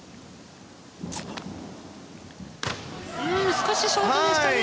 少しショートでしたね。